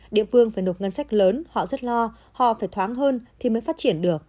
địa phương phải nộp ngân sách lớn họ rất lo họ phải thoáng hơn thì mới phát triển được